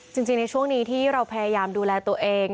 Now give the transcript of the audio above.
จริงในช่วงนี้ที่เราพยายามดูแลตัวเอง